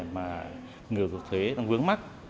mà người nộp thuế đang vướng mắt